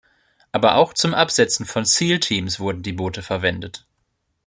Aber auch zum Absetzen von Seal-Teams wurden die Boote verwendet.